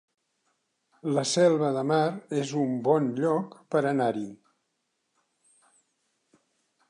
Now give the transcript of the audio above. La Selva de Mar es un bon lloc per anar-hi